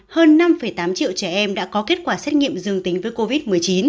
hơn năm tám triệu trẻ em đã có kết quả xét nghiệm dương tính với covid một mươi chín